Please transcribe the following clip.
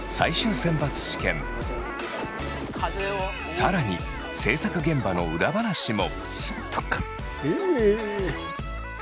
更に制作現場の裏話も。